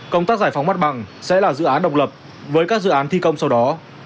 công tác giải phóng mặt bằng sẽ là dự án độc lập với các dự án thi công sau đó